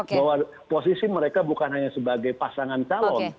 bahwa posisi mereka bukan hanya sebagai pasangan calon